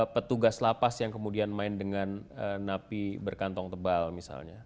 petugas lapas yang kemudian main dengan napi berkantong tebal misalnya